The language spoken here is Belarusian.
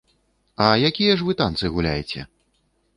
А якія ж вы танцы гуляеце?